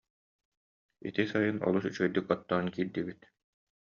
Ити сайын олус үчүгэйдик оттоон киирдибит